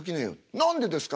「何でですか？」